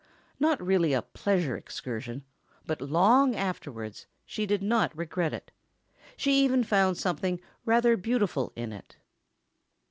Not really a "pleasure excursion," but long afterwards she did not regret it—she even found something "rather beautiful" in it.